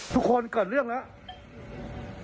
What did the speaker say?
ทุกคนเกิดเรื่องแล้ว